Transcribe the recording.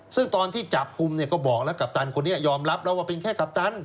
ซึ่งตอนที่จับกลุ่มเนี่ยก็บอกแล้วกัปตันคนนี้ยอมรับแล้วว่าเป็นแค่กัปตัน